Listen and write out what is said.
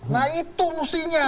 nah itu mustinya